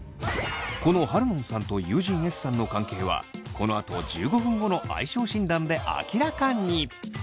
このハルノンさんと友人Ｓさんの関係はこのあと１５分後の相性診断で明らかに。